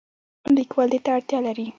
لیکوال دې ته اړتیا لري.